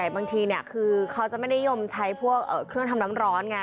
บางทีคือเขาจะไม่นิยมใช้พวกเครื่องทำน้ำร้อนไง